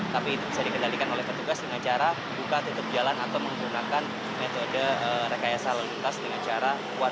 tapi itu bisa dikendalikan oleh petugas dengan cara buka tutup jalan atau menggunakan metode rekayasa lalu lintas dengan cara kuat